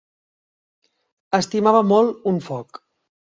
Estimava molt un foc.